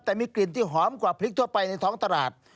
แต่มีกลิ่นที่หอมกว่าพริกทั่วไปในท้องตลาด